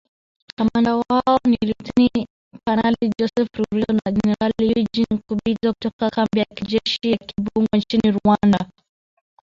Kamanda wao ni Luteni Kanali Joseph Rurindo na Generali Eugene Nkubito, kutoka kambi ya kijeshi ya Kibungo nchini Rwanda